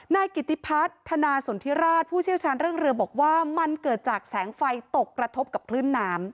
นายกิติพัฒนาสนทิราชผู้เชี่ยวชาญเรื่องเรือบอกว่ามันเกิดจากแสงไฟตกกระทบกับคลื่นน้ำ